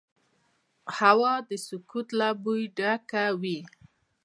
هوا د سکوت له بوی ډکه وي